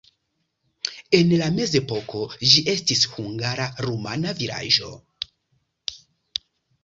En la mezepoko ĝi estis hungara-rumana vilaĝo.